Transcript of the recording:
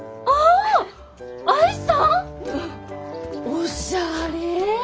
おしゃれ！